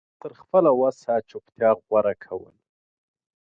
تر خپله وسه چوپتيا غوره کول